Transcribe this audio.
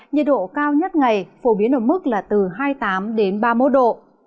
nhiệt độ cao nhất ngày phổ biến ở mức là từ hai mươi tám đến ba mươi một độ